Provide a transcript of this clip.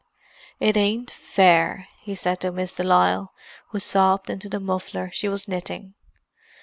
"It ain't fair," he said to Miss de Lisle, who sobbed into the muffler she was knitting.